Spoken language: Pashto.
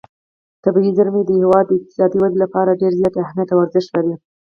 طبیعي زیرمې د هېواد د اقتصادي ودې لپاره ډېر زیات اهمیت او ارزښت لري.